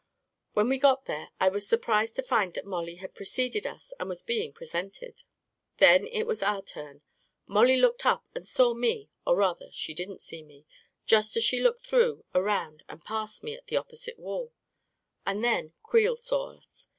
When we got there, I was surprised to find that Mollie had preceded us and was being presented. Then it was our turn. Mollie looked up and saw me — or rather, she didn't see me — she just looked through, around and past me at the opposite wall; and then Creel saw us.